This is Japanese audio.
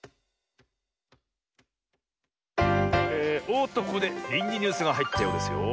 おっとここでりんじニュースがはいったようですよ。